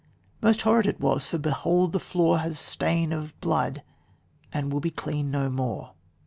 "Most horrid was it for, behold, the floor Has stain of blood and will be clean no more.